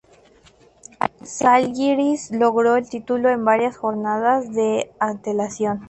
Žalgiris logró el título con varias jornadas de antelación.